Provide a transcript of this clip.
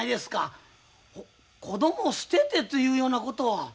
子供を捨ててというようなことは。